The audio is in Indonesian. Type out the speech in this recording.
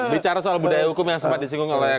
bicara soal budaya hukum yang sempat disinggung oleh